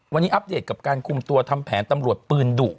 วันนี้อัปเดตกับการคุมตัวทำแผนตำรวจปืนดุ